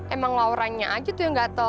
emang lauranya aja tuh yang gatel